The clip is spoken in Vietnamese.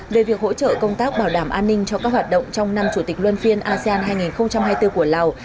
về việc hỗ trợ công tác bảo đảm an ninh cho các hoạt động trong năm chủ tịch luân phiên asean hai nghìn hai mươi bốn của lào